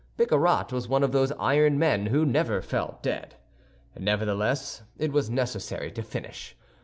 Bicarat was one of those iron men who never fell dead. Nevertheless, it was necessary to finish.